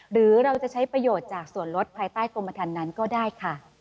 หรือเราจะใช้ประโยชน์จากส่วนลดภายใต้กรมฐานนั้นก็ได้ค่ะ